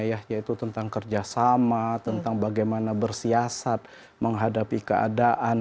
yaitu tentang kerjasama tentang bagaimana bersiasat menghadapi keadaan